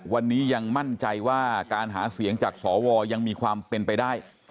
วันนี้ยังมั่นใจว่าการหาเสียงจากสวยังมีความเป็นไปได้